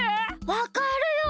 わかるよ！